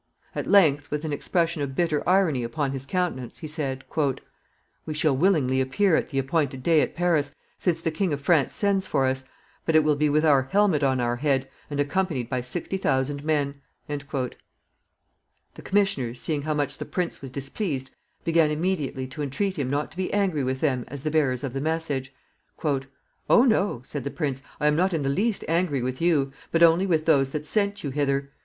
At length, with an expression of bitter irony upon his countenance, he said, "We shall willingly appear at the appointed day at Paris, since the King of France sends for us, but it will be with our helmet on our head, and accompanied by sixty thousand men." The commissioners, seeing how much the prince was displeased, began immediately to entreat him not to be angry with them as the bearers of the message. "Oh no," said the prince, "I am not in the least angry with you, but only with those that sent you hither.